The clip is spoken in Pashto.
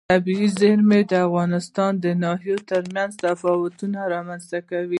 طبیعي زیرمې د افغانستان د ناحیو ترمنځ تفاوتونه رامنځ ته کوي.